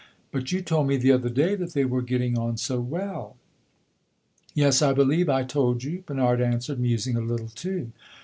"But you told me the other day that they were getting on so well." "Yes, I believe I told you," Bernard answered, musing a little too.